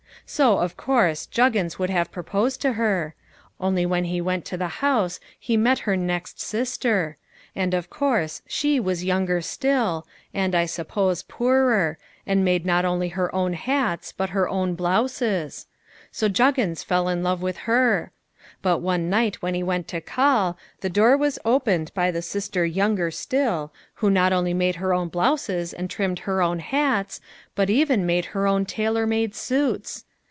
So, of course, Juggins would have proposed to her; only when he went to the house he met her next sister: and of course she was younger still; and, I suppose, poorer: and made not only her own hats but her own blouses. So Juggins fell in love with her. But one night when he went to call, the door was opened by the sister younger still, who not only made her own blouses and trimmed her own hats, but even made her own tailor made suits.